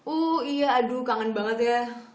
oh iya aduh kangen banget ya